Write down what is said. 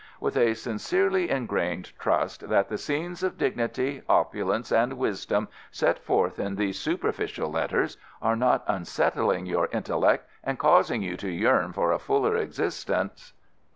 With a sincerely ingrained trust that the scenes of dignity, opulence, and wisdom, set forth in these superficial letters, are not unsettling your intellect and causing you to yearn for a fuller existence.